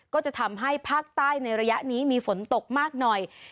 ก็จะทำให้ภาคใต้ในระยะนี้มีฝนตกมากหน่อย